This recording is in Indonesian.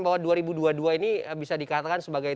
bahwa dua ribu dua puluh dua ini bisa dikatakan sebagai